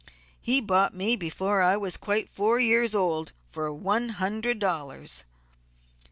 He bought me before I was quite four years old, for one hundred dollars.